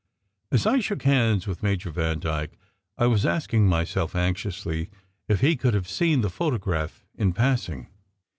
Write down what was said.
As I shook hands with Major Vandyke, I was asking myself anxiously if he could have seen the photo graph in passing?